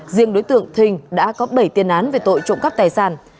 riêng đối tượng thình đã có bảy tiền án về tội trộm cắp tài sản